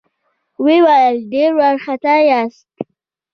ويې ويل: ډېر وارخطا ياست؟